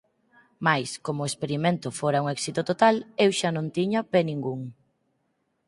Mais, como o experimento fora un éxito total, eu xa non tiña pé ningún.